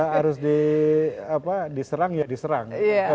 harus diserang ya diserang